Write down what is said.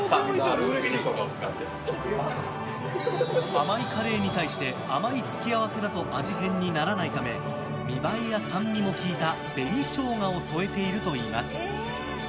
甘いカレーに対して甘い付け合わせだと味変にならないため見栄えや酸味も効いた紅ショウガを添えているといいます。